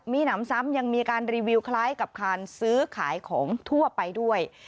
มีหนำซ้ำยังมีการรีวิวคล้ายกับการซื้อขายของทั่วไปด้วย